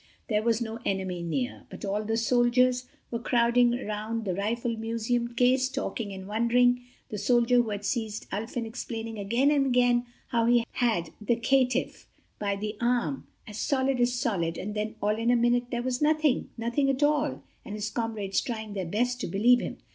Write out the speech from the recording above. There was no enemy near—all the soldiers were crowding around the rifled Museum case, talking and wondering, the soldier who had seized Ulfin explaining again and again how he had had the caitiff by the arm, "as solid as solid, and then, all in a minute, there was nothing—nothing at all," and his comrades trying their best to believe him.